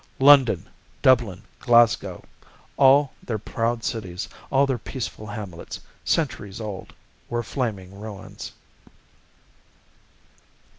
London, Dublin, Glasgow all their proud cities, all their peaceful hamlets, centuries old, were flaming ruins.